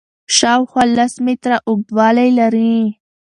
شاوخوا لس متره اوږدوالی لري.